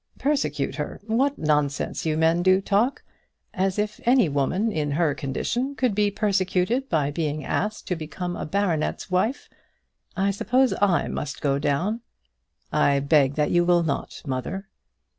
"Persecute her! What nonsense you men do talk! As if any woman in her condition could be persecuted by being asked to become a baronet's wife. I suppose I must go down." "I beg that you will not, mother."